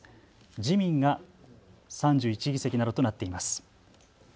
自民が３１議席などとなっています。